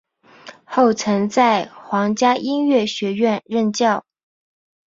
后曾在皇家音乐学院任教。